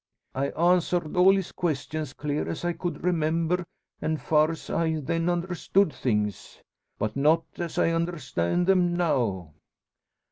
I answered all his questions, clear as I could remember, an' far's I then understood things. But not as I understand them now."